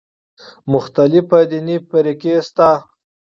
مختلفې دیني فرقې شته دي.